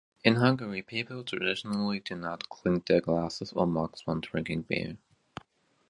In Hungary, people traditionally do not clink their glasses or mugs when drinking beer.